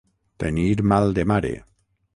Tenir mal de mare.